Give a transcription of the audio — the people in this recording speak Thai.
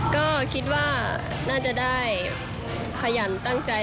ก็คิดว่าน่าจะได้ขยันตั้งใจ